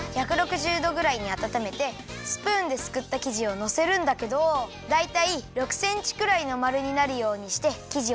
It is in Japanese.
１６０どぐらいにあたためてスプーンですくったきじをのせるんだけどだいたい６センチくらいのまるになるようにしてきじをやくよ。